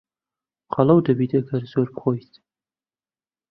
قەڵەو دەبیت ئەگەر زۆر بخۆیت.